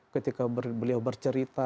ketika beliau bercerita